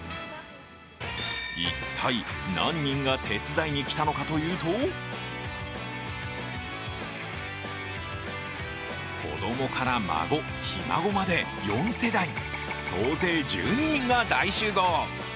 一体、何人が手伝いに来たのかというと子供から孫、ひ孫まで４世代総勢１２人が大集合。